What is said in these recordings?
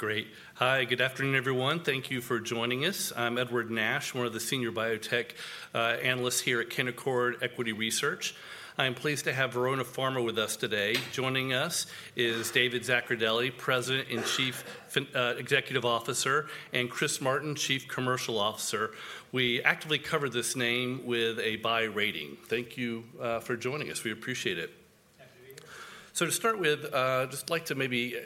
Great. Hi, good afternoon, everyone. Thank you for joining us. I'm Edward Nash, one of the senior biotech analysts here at Canaccord Genuity Equity Research. I'm pleased to have Verona Pharma with us today. Joining us is David Zaccardelli, President and Chief Executive Officer, and Chris Martin, Chief Commercial Officer. We actively cover this name with a buy rating. Thank you for joining us. We appreciate it. Happy to be here. So to start with, just like to maybe,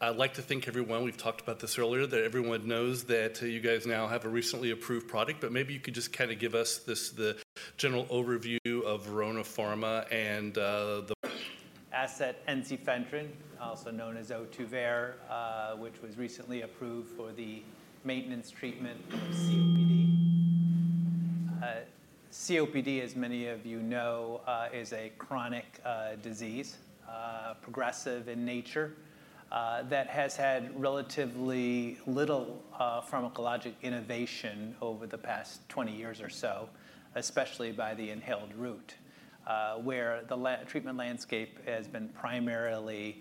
I'd like to thank everyone, we've talked about this earlier, that everyone knows that you guys now have a recently approved product, but maybe you could just kind of give us this, the general overview of Verona Pharma and, the- ensifentrine, also known as Ohtuvayre, which was recently approved for the maintenance treatment of COPD. COPD, as many of you know, is a chronic disease, progressive in nature, that has had relatively little pharmacologic innovation over the past 20 years or so, especially by the inhaled route, where the treatment landscape has been primarily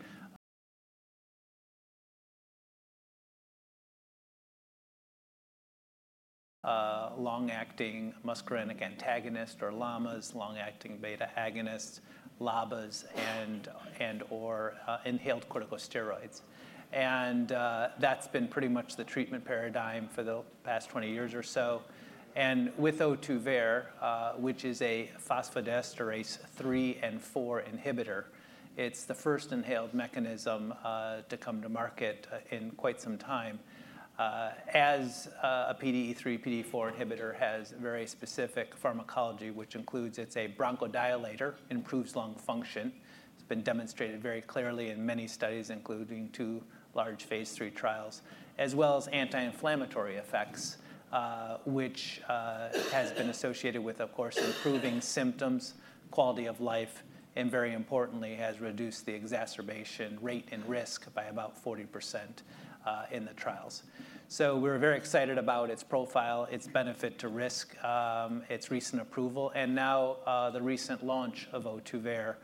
long-acting muscarinic antagonist, or LAMAs, long-acting beta agonists, LABAs, and/or inhaled corticosteroids. That's been pretty much the treatment paradigm for the past 20 years or so. With Ohtuvayre, which is a phosphodiesterase 3 and 4 inhibitor, it's the first inhaled mechanism to come to market in quite some time. As a PDE3, PDE4 inhibitor has very specific pharmacology, which includes it's a bronchodilator, improves lung function. It's been demonstrated very clearly in many studies, including two large phase 3 trials, as well as anti-inflammatory effects, which has been associated with, of course, improving symptoms, quality of life, and very importantly, has reduced the exacerbation rate and risk by about 40%, in the trials. So we're very excited about its profile, its benefit to risk, its recent approval, and now, the recent launch of Ohtuvayre,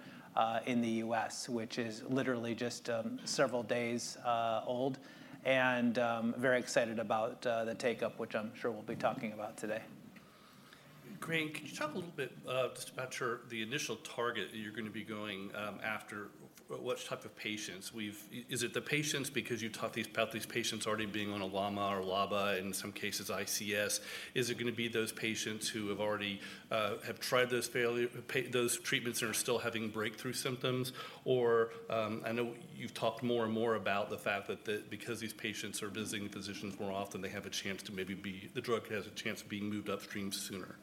in the US, which is literally just, several days, old, and, very excited about, the take-up, which I'm sure we'll be talking about today. Great. Can you talk a little bit just about your the initial target that you're gonna be going after, which type of patients? We've— Is it the patients because you talked these about these patients already being on a LAMA or LABA, in some cases, ICS. Is it gonna be those patients who have already have tried those failure pa— those treatments and are still having breakthrough symptoms? Or, I know you've talked more and more about the fact that the— because these patients are visiting physicians more often, they have a chance to maybe be— the drug has a chance of being moved upstream sooner.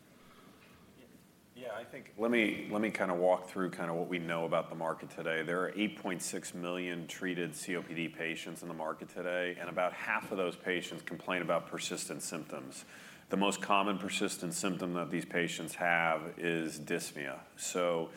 Yeah, I think... Let me kind of walk through kind of what we know about the market today. There are 8.6 million treated COPD patients in the market today, and about half of those patients complain about persistent symptoms. The most common persistent symptom that these patients have is dyspnea. So,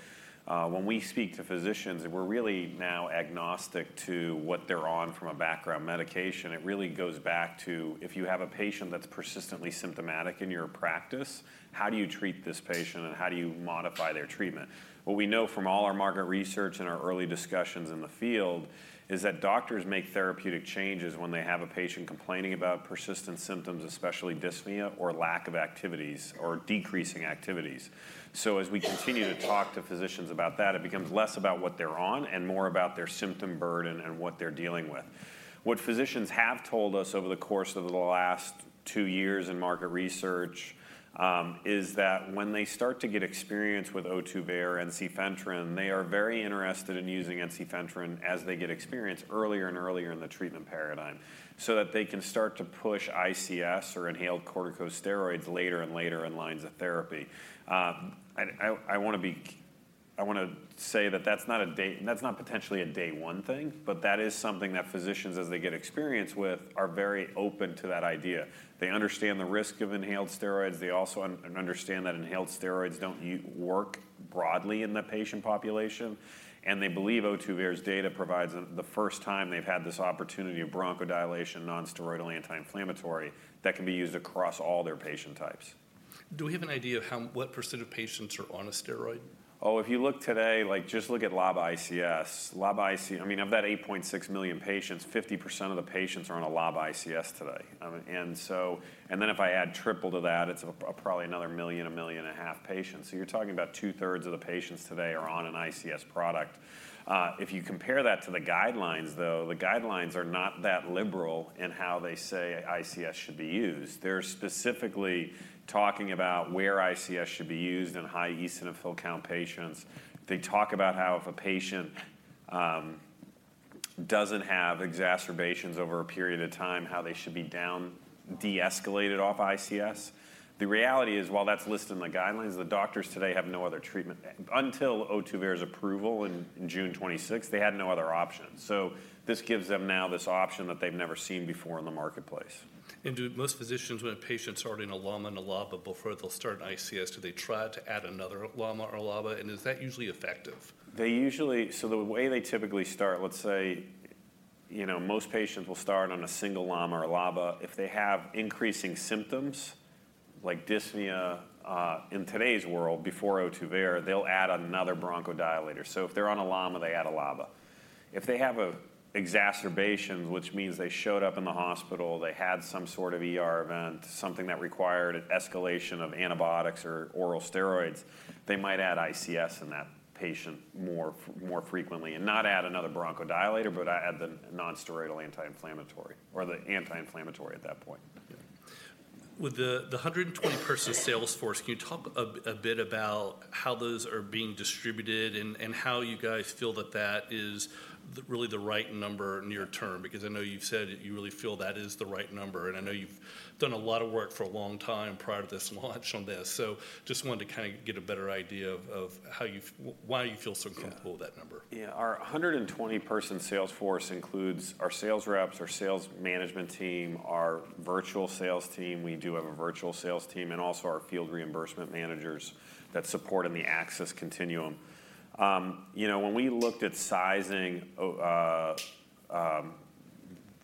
when we speak to physicians, we're really now agnostic to what they're on from a background medication. It really goes back to, if you have a patient that's persistently symptomatic in your practice, how do you treat this patient, and how do you modify their treatment? What we know from all our market research and our early discussions in the field is that doctors make therapeutic changes when they have a patient complaining about persistent symptoms, especially dyspnea, or lack of activities or decreasing activities. So as we continue to talk to physicians about that, it becomes less about what they're on and more about their symptom burden and what they're dealing with. What physicians have told us over the course of the last two years in market research is that when they start to get experience with Ohtuvayre and ensifentrine, they are very interested in using ensifentrine as they get experience earlier and earlier in the treatment paradigm, so that they can start to push ICS or inhaled corticosteroids later and later in lines of therapy. And I wanna say that that's not a day, that's not potentially a day one thing, but that is something that physicians, as they get experience with, are very open to that idea. They understand the risk of inhaled steroids. They also understand that inhaled steroids don't work broadly in the patient population, and they believe Ohtuvayre's data provides the first time they've had this opportunity of bronchodilation, non-steroidal anti-inflammatory, that can be used across all their patient types. Do we have an idea of how, what % of patients are on a steroid? Oh, if you look today, like, just look at LABA/ICS. LABA/ICS, I mean, of that 8.6 million patients, 50% of the patients are on a LABA/ICS today. And then if I add triple to that, it's probably another million, 1.5 million patients. So you're talking about two-thirds of the patients today are on an ICS product. If you compare that to the guidelines, though, the guidelines are not that liberal in how they say ICS should be used. They're specifically talking about where ICS should be used in high eosinophil count patients. They talk about how, if a patient doesn't have exacerbations over a period of time, how they should be down, de-escalated off ICS. The reality is, while that's listed in the guidelines, the doctors today have no other treatment. Until Ohtuvayre's approval in June 26th, they had no other option. So this gives them now this option that they've never seen before in the marketplace. Do most physicians, when a patient's already on a LAMA and a LABA, before they'll start an ICS, do they try to add another LAMA or LABA, and is that usually effective? They usually. So the way they typically start, let's say, you know, most patients will start on a single LAMA or LABA. If they have increasing symptoms like dyspnea, in today's world, before Ohtuvayre, they'll add another bronchodilator. So if they're on a LAMA, they add a LABA. If they have a exacerbations, which means they showed up in the hospital, they had some sort of ER event, something that required an escalation of antibiotics or oral steroids, they might add ICS in that patient more frequently, and not add another bronchodilator, but add the non-steroidal anti-inflammatory or the anti-inflammatory at that point. Yeah. With the 120-person sales force, can you talk a bit about how those are being distributed and how you guys feel that that is really the right number near term? Because I know you've said that you really feel that is the right number, and I know you've done a lot of work for a long time prior to this launch on this. So just wanted to kind of get a better idea of how you—why you feel so comfortable with that number. Yeah. Our 120-person sales force includes our sales reps, our sales management team, our virtual sales team, we do have a virtual sales team, and also our field reimbursement managers that support in the access continuum. You know, when we looked at sizing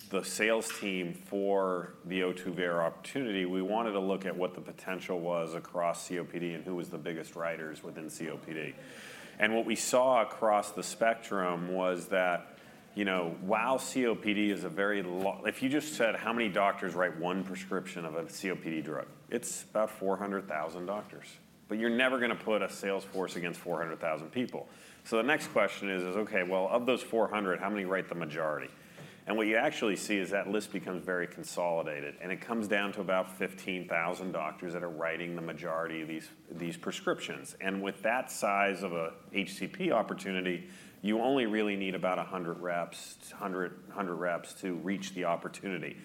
the sales team for the Ohtuvayre opportunity, we wanted to look at what the potential was across COPD and who was the biggest writers within COPD. And what we saw across the spectrum was that, you know, while COPD is a very. If you just said, how many doctors write one prescription of a COPD drug? It's about 400,000 doctors, but you're never gonna put a sales force against 400,000 people. So the next question is, okay, well, of those 400, how many write the majority? What you actually see is that list becomes very consolidated, and it comes down to about 15,000 doctors that are writing the majority of these, these prescriptions. With that size of a HCP opportunity, you only really need about 100 reps, 100, 100 reps to reach the opportunity.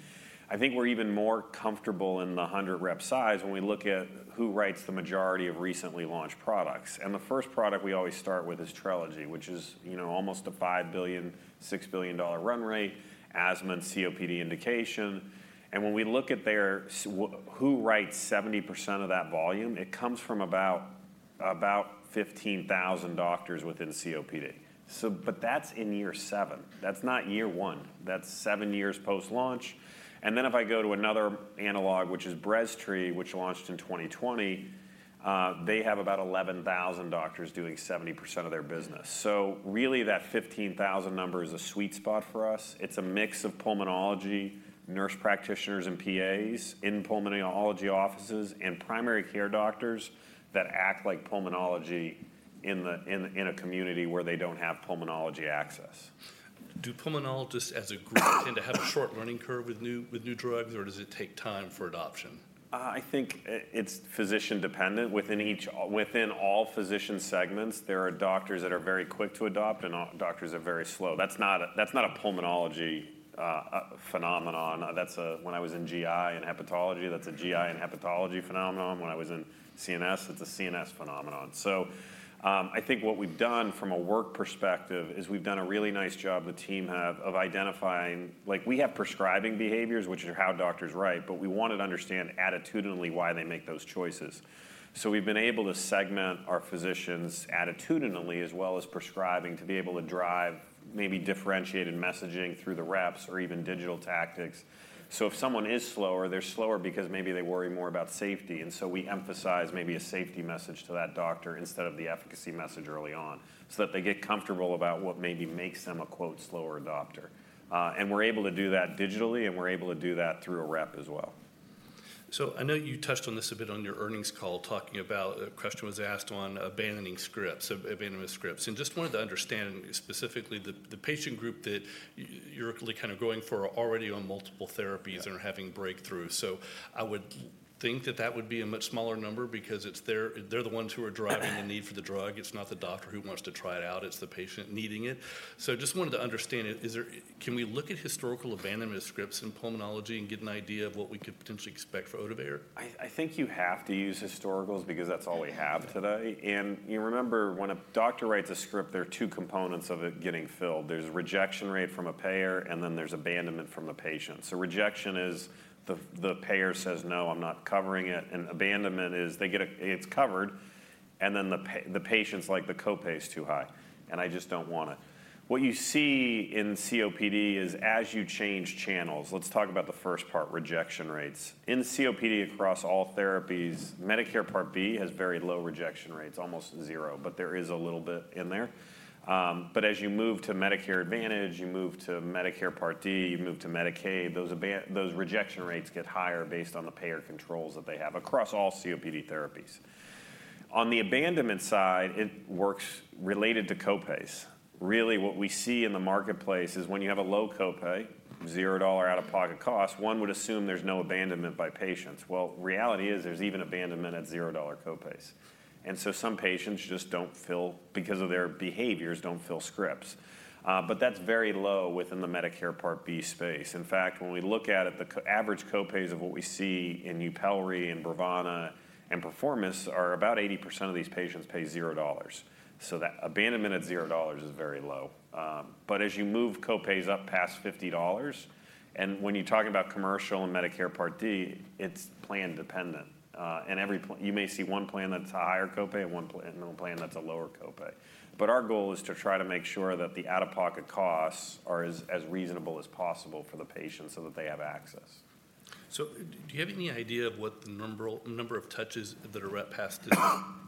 I think we're even more comfortable in the 100 rep size when we look at who writes the majority of recently launched products. The first product we always start with is Trelegy, which is, you know, almost a $5 billion-$6 billion run rate, asthma and COPD indication. When we look at their who writes 70% of that volume, it comes from about, about 15,000 doctors within COPD. So, but that's in year 7. That's not year 1. That's 7 years post-launch. And then if I go to another analog, which is Breztri, which launched in 2020, they have about 11,000 doctors doing 70% of their business. So really, that 15,000 number is a sweet spot for us. It's a mix of pulmonology, nurse practitioners and PAs in pulmonology offices, and primary care doctors that act like pulmonology in a community where they don't have pulmonology access. Do pulmonologists, as a group, tend to have a short learning curve with new drugs, or does it take time for adoption? I think it's physician dependent. Within each within all physician segments, there are doctors that are very quick to adopt and doctors are very slow. That's not a pulmonology phenomenon. That's. When I was in GI and hepatology, that's a GI and hepatology phenomenon. When I was in CNS, it's a CNS phenomenon. So, I think what we've done from a work perspective is we've done a really nice job, the team have, of identifying. Like, we have prescribing behaviors, which is how doctors write, but we wanted to understand attitudinally why they make those choices. So we've been able to segment our physicians attitudinally as well as prescribing, to be able to drive maybe differentiated messaging through the reps or even digital tactics. So if someone is slower, they're slower because maybe they worry more about safety, and so we emphasize maybe a safety message to that doctor instead of the efficacy message early on, so that they get comfortable about what maybe makes them a, quote, "slower doctor." And we're able to do that digitally, and we're able to do that through a rep as well. So, I know you touched on this a bit on your earnings call, talking about... A question was asked on abandoning scripts, abandonment scripts. And just wanted to understand specifically the patient group that you're kind of going for are already on multiple therapies- Yeah... and are having breakthroughs. So I would think that that would be a much smaller number because it's they're, they're the ones who are driving the need for the drug. It's not the doctor who wants to try it out, it's the patient needing it. So just wanted to understand, can we look at historical abandonment scripts in pulmonology and get an idea of what we could potentially expect for Ohtuvayre? I think you have to use historicals because that's all we have today. And you remember, when a doctor writes a script, there are two components of it getting filled. There's rejection rate from a payer, and then there's abandonment from the patient. So rejection is the payer says: "No, I'm not covering it." And abandonment is they get "It's covered," and then the patient's like: "The copay is too high, and I just don't want it." What you see in COPD is as you change channels. Let's talk about the first part, rejection rates. In COPD across all therapies, Medicare Part B has very low rejection rates, almost zero, but there is a little bit in there. But as you move to Medicare Advantage, you move to Medicare Part D, you move to Medicaid, those rejection rates get higher based on the payer controls that they have across all COPD therapies. On the abandonment side, it works related to copays. Really, what we see in the marketplace is when you have a low copay, $0 out-of-pocket cost, one would assume there's no abandonment by patients. Well, reality is there's even abandonment at $0 copays. And so some patients just don't fill, because of their behaviors, don't fill scripts. But that's very low within the Medicare Part B space. In fact, when we look at it, the average copays of what we see in Yupelri, in Brovana, and Perforomist are about 80% of these patients pay $0. So that abandonment at $0 is very low. But as you move copays up past $50, and when you're talking about commercial and Medicare Part D, it's plan dependent. And every plan you may see one plan that's a higher copay and one plan that's a lower copay. But our goal is to try to make sure that the out-of-pocket costs are as, as reasonable as possible for the patient so that they have access.... So do you have any idea of what the number of touches that a rep has to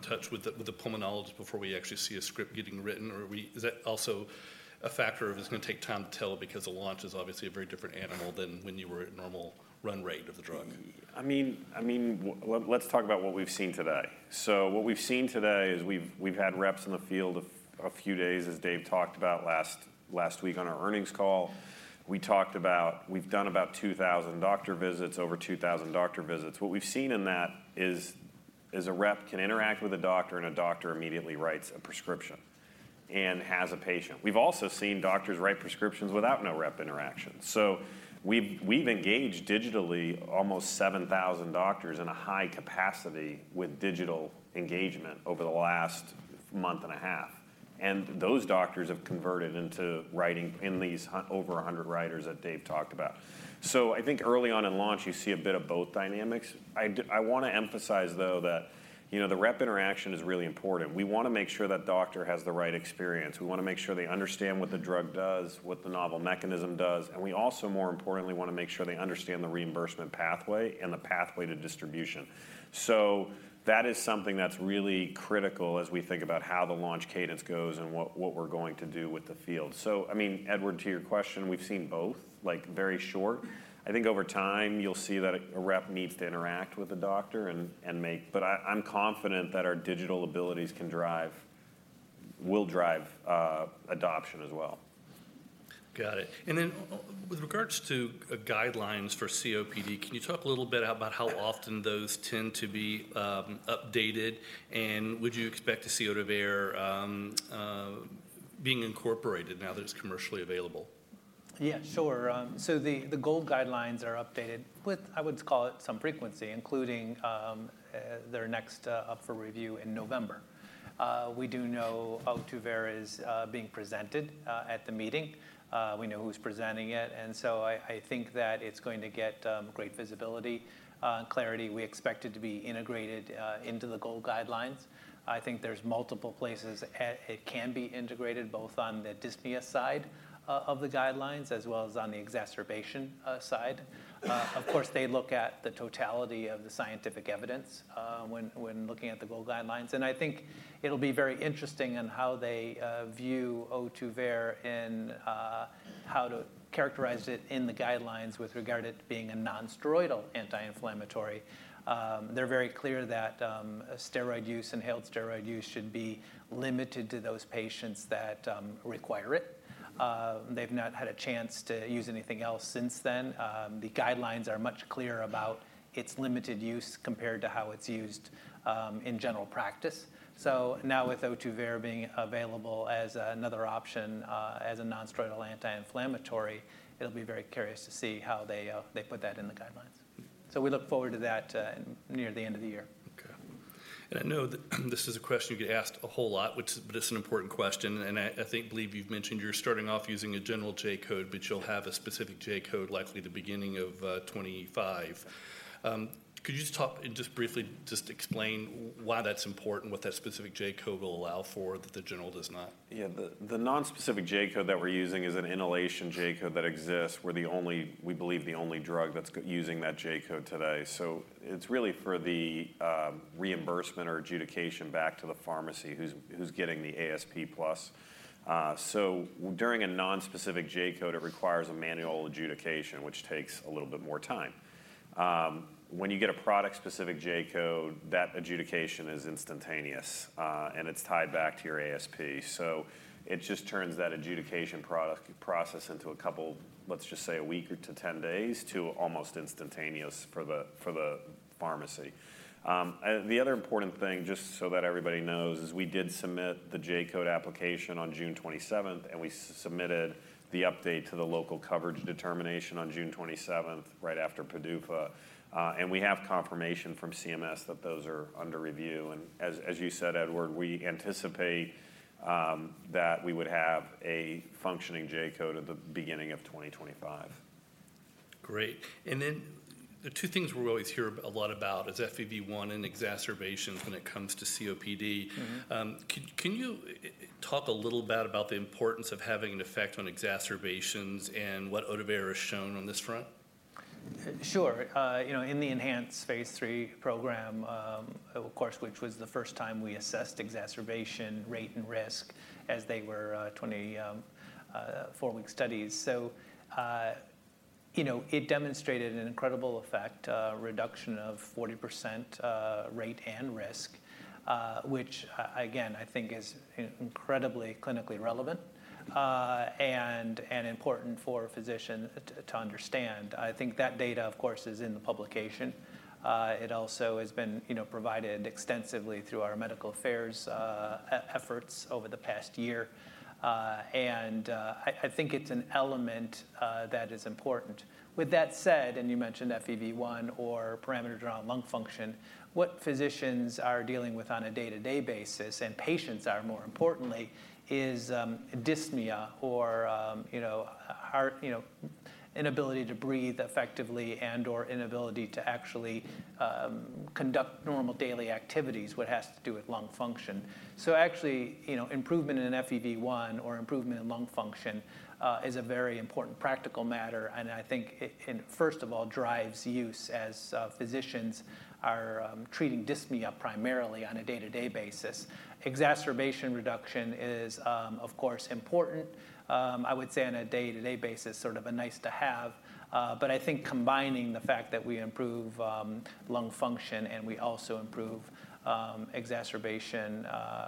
touch with the pulmonologist before we actually see a script getting written? Or are we, is that also a factor of it's gonna take time to tell because a launch is obviously a very different animal than when you were at normal run rate of the drug? I mean, let's talk about what we've seen today. So what we've seen today is we've had reps in the field a few days, as Dave talked about last week on our earnings call. We talked about we've done about 2,000 doctor visits, over 2,000 doctor visits. What we've seen in that is a rep can interact with a doctor, and a doctor immediately writes a prescription and has a patient. We've also seen doctors write prescriptions without no rep interaction. So we've engaged digitally almost 7,000 doctors in a high capacity with digital engagement over the last month and a half, and those doctors have converted into writing in these over 100 writers that Dave talked about. So I think early on in launch, you see a bit of both dynamics. I want to emphasize, though, that, you know, the rep interaction is really important. We wanna make sure that doctor has the right experience. We wanna make sure they understand what the drug does, what the novel mechanism does, and we also, more importantly, wanna make sure they understand the reimbursement pathway and the pathway to distribution. So that is something that's really critical as we think about how the launch cadence goes and what we're going to do with the field. So I mean, Edward, to your question, we've seen both, like, very short. I think over time you'll see that a rep needs to interact with a doctor and make... But I, I'm confident that our digital abilities can drive, will drive, adoption as well. Got it. And then with regards to guidelines for COPD, can you talk a little bit about how often those tend to be updated, and would you expect to see Ohtuvayre being incorporated now that it's commercially available? Yeah, sure. So the, the GOLD guidelines are updated with, I would call it, some frequency, including, they're next up for review in November. We do know Ohtuvayre is being presented at the meeting. We know who's presenting it, and so I think that it's going to get great visibility and clarity. We expect it to be integrated into the GOLD guidelines. I think there's multiple places it can be integrated, both on the dyspnea side of the guidelines, as well as on the exacerbation side. Of course, they look at the totality of the scientific evidence, when looking at the GOLD guidelines, and I think it'll be very interesting in how they view Ohtuvayre and how to characterize it in the guidelines with regard it being a non-steroidal anti-inflammatory. They're very clear that, steroid use, inhaled steroid use should be limited to those patients that require it. They've not had a chance to use anything else since then. The guidelines are much clearer about its limited use compared to how it's used in general practice. So now, with Ohtuvayre being available as another option, as a non-steroidal anti-inflammatory, it'll be very curious to see how they put that in the guidelines. So we look forward to that near the end of the year. Okay. And I know that this is a question you get asked a whole lot, which is—but it's an important question, and I think believe you've mentioned you're starting off using a general J-code, but you'll have a specific J-code likely the beginning of 2025. Could you just talk and just briefly just explain why that's important, what that specific J-code will allow for, that the general does not? Yeah. The non-specific J-code that we're using is an inhalation J-code that exists. We're the only, we believe, the only drug that's using that J-code today. So it's really for the reimbursement or adjudication back to the pharmacy, who's getting the ASP plus. So during a non-specific J-code, it requires a manual adjudication, which takes a little bit more time. When you get a product-specific J-code, that adjudication is instantaneous, and it's tied back to your ASP. So it just turns that adjudication process into a couple, let's just say, a week or two to 10 days, to almost instantaneous for the pharmacy. And the other important thing, just so that everybody knows, is we did submit the J-code application on June 27th, and we submitted the update to the Local Coverage Determination on June 27th, right after PDUFA. We have confirmation from CMS that those are under review, and as you said, Edward, we anticipate that we would have a functioning J-code at the beginning of 2025. Great. Then the two things we always hear a lot about is FEV1 and exacerbations when it comes to COPD. Mm-hmm. Can you talk a little about the importance of having an effect on exacerbations and what Ohtuvayre has shown on this front? Sure. You know, in the ENHANCE phase 3 program, of course, which was the first time we assessed exacerbation rate and risk as they were 24-week studies. So, you know, it demonstrated an incredible effect, reduction of 40%, rate and risk, which again, I think is incredibly clinically relevant, and important for a physician to understand. I think that data, of course, is in the publication. It also has been, you know, provided extensively through our medical affairs efforts over the past year. And I think it's an element that is important. With that said, and you mentioned FEV1 or parameter drawn lung function, what physicians are dealing with on a day-to-day basis, and patients are, more importantly, is dyspnea or, you know, heart... You know, inability to breathe effectively and/or inability to actually conduct normal daily activities, what has to do with lung function. So actually, you know, improvement in an FEV1 or improvement in lung function is a very important practical matter, and I think it first of all drives use as physicians are treating dyspnea primarily on a day-to-day basis. Exacerbation reduction is of course important. I would say on a day-to-day basis, sort of a nice to have. But I think combining the fact that we improve lung function and we also improve exacerbation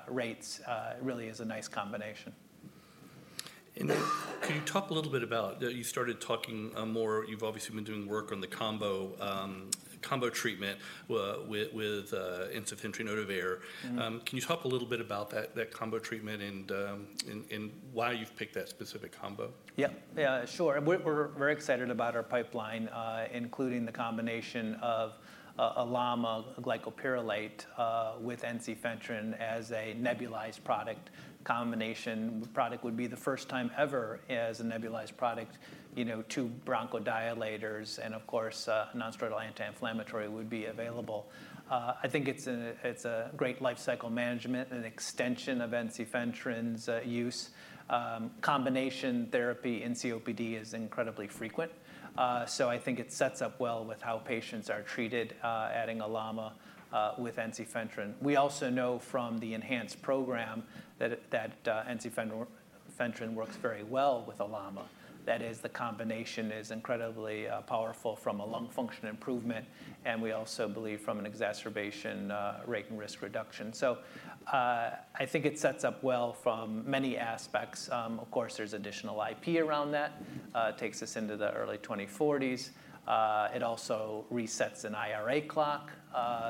rates really is a nice combination.... And can you talk a little bit about you started talking more—you've obviously been doing work on the combo, combo treatment with ensifentrine Ohtuvayre? Mm-hmm. Can you talk a little bit about that combo treatment and why you've picked that specific combo? Yeah. Yeah, sure. We're very excited about our pipeline, including the combination of a LAMA glycopyrrolate with ensifentrine as a nebulized product. Combination product would be the first time ever as a nebulized product, you know, two bronchodilators and of course, a non-steroidal anti-inflammatory would be available. I think it's a great life cycle management and an extension of ensifentrine's use. Combination therapy in COPD is incredibly frequent, so I think it sets up well with how patients are treated, adding a LAMA with ensifentrine. We also know from the ENHANCE program that ensifentrine works very well with a LAMA. That is, the combination is incredibly powerful from a lung function improvement, and we also believe from an exacerbation rate and risk reduction. So, I think it sets up well from many aspects. Of course, there's additional IP around that takes us into the early 2040s. It also resets an IRA clock.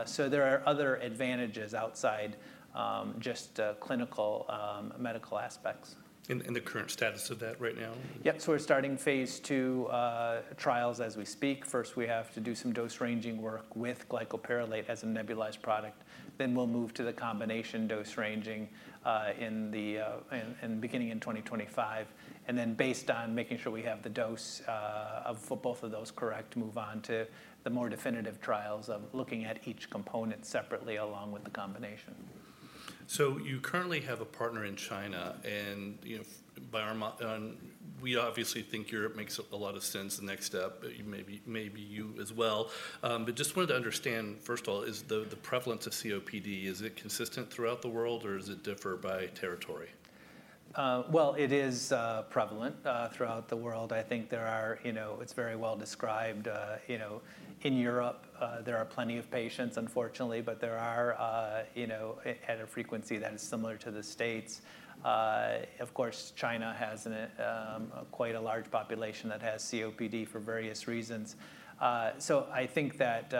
So there are other advantages outside just clinical medical aspects. The current status of that right now? Yep. So we're starting phase two trials as we speak. First, we have to do some dose-ranging work with glycopyrrolate as a nebulized product. Then we'll move to the combination dose ranging, beginning in 2025, and then based on making sure we have the dose for both of those correct, move on to the more definitive trials of looking at each component separately, along with the combination. You currently have a partner in China, and, you know, we obviously think Europe makes a lot of sense, the next step, but maybe, maybe you as well. But just wanted to understand, first of all, is the prevalence of COPD, is it consistent throughout the world, or does it differ by territory? Well, it is prevalent throughout the world. I think there are... You know, it's very well described, you know, in Europe, there are plenty of patients, unfortunately, but there are, you know, at a frequency that is similar to the States. Of course, China has a quite large population that has COPD for various reasons. So I think that,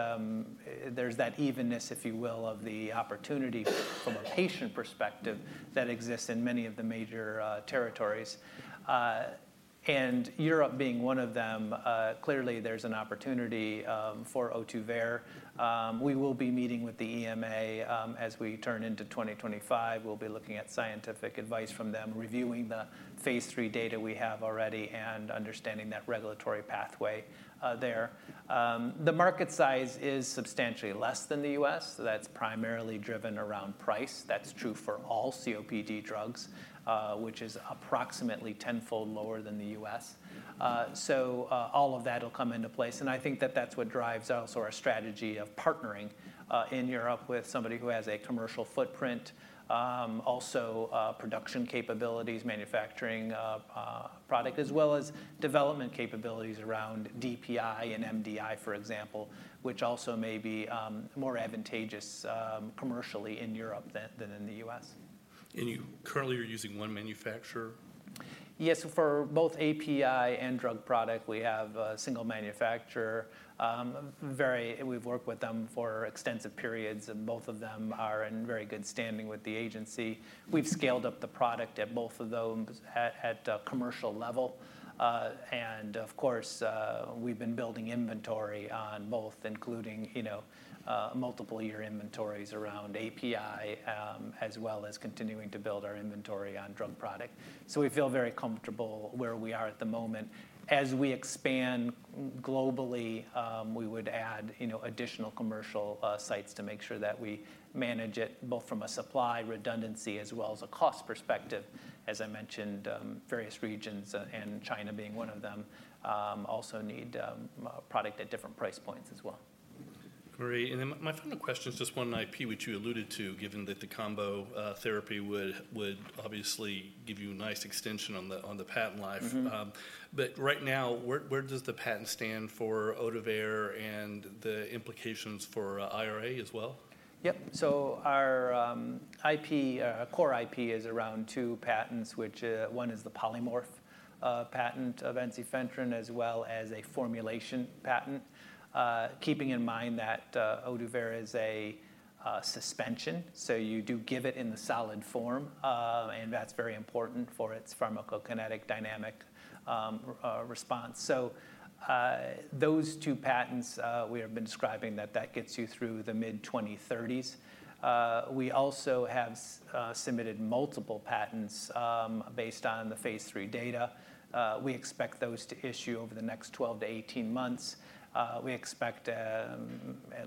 there's that evenness, if you will, of the opportunity from a patient perspective that exists in many of the major territories, and Europe being one of them. Clearly, there's an opportunity for Ohtuvayre. We will be meeting with the EMA as we turn into 2025. We'll be looking at scientific advice from them, reviewing the phase 3 data we have already, and understanding that regulatory pathway there. The market size is substantially less than the US. That's primarily driven around price. That's true for all COPD drugs, which is approximately tenfold lower than the US. So, all of that will come into place, and I think that that's what drives also our strategy of partnering in Europe with somebody who has a commercial footprint, also production capabilities, manufacturing, product, as well as development capabilities around DPI and MDI, for example, which also may be more advantageous, commercially in Europe than in the US. You currently are using one manufacturer? Yes, for both API and drug product, we have a single manufacturer. We've worked with them for extensive periods, and both of them are in very good standing with the agency. We've scaled up the product at both of them at a commercial level. And of course, we've been building inventory on both, including, you know, multiple year inventories around API, as well as continuing to build our inventory on drug product. So we feel very comfortable where we are at the moment. As we expand globally, we would add, you know, additional commercial sites to make sure that we manage it both from a supply redundancy as well as a cost perspective. As I mentioned, various regions, and China being one of them, also need product at different price points as well. Great. And then my final question is just one IP, which you alluded to, given that the combo therapy would obviously give you a nice extension on the patent life. Mm-hmm. But right now, where does the patent stand for Ohtuvayre and the implications for IRA as well? Yep. So our IP core IP is around two patents, which one is the polymorph patent of ensifentrine, as well as a formulation patent. Keeping in mind that Ohtuvayre is a suspension, so you do give it in the solid form, and that's very important for its pharmacodynamic response. So those two patents we have been describing that that gets you through the mid-2030s. We also have submitted multiple patents based on the phase 3 data. We expect those to issue over the next 12-18 months. We expect at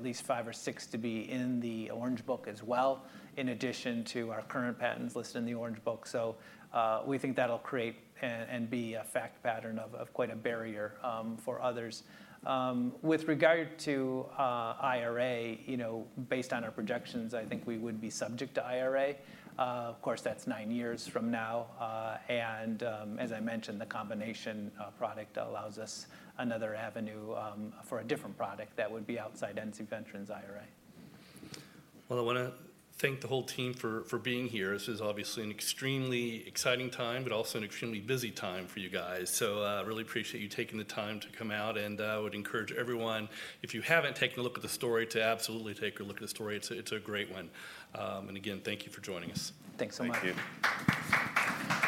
least five or six to be in the Orange Book as well, in addition to our current patents listed in the Orange Book. So, we think that'll create and be a fact pattern of quite a barrier for others. With regard to IRA, you know, based on our projections, I think we would be subject to IRA. Of course, that's nine years from now. And as I mentioned, the combination product allows us another avenue for a different product that would be outside ensifentrine's IRA. Well, I wanna thank the whole team for being here. This is obviously an extremely exciting time, but also an extremely busy time for you guys. So, I really appreciate you taking the time to come out, and I would encourage everyone, if you haven't taken a look at the story, to absolutely take a look at the story. It's a great one. And again, thank you for joining us. Thanks so much. Thank you.